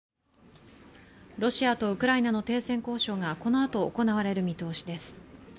ロシアとウクライナの停戦交渉がこのあと行われる見通しです。